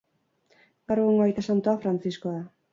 Gaur egungo aita santua Frantzisko da.